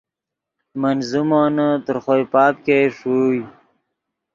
من زیمونے تر خوئے پاپ ګئے ݰوئے